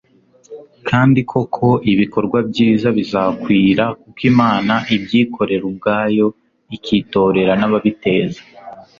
kandi koko ibikorwa byiza bizakwira kuko imana ibyikorera ubwayo ikitorera n'ababiteza